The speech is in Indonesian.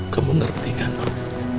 kamu ngerti kan pak